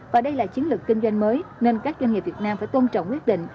và đây là chiến lược kinh doanh mới nên các doanh nghiệp việt nam phải tôn trọng quyết định